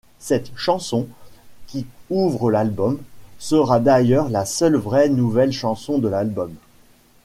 Cette chanson, qui ouvre l'album, sera d'ailleurs la seule vraie nouvelle chanson de l'album.